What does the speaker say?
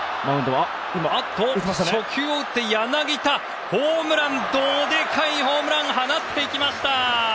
初球を打って、柳田どでかいホームランを放っていきました！